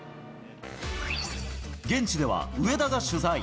現地では上田が取材。